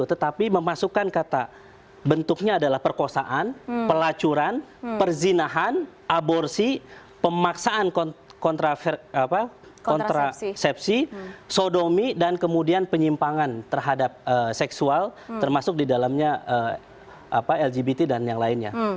tetapi memasukkan kata bentuknya adalah perkosaan pelacuran perzinahan aborsi pemaksaan kontrasepsi sodomi dan kemudian penyimpangan terhadap seksual termasuk di dalamnya lgbt dan yang lainnya